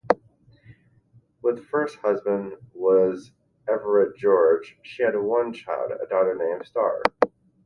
With first husband was Everett George she had one child, a daughter named Starr.